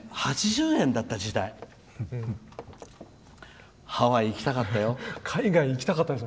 ８０円だった時代ハワイ行きたかったよ。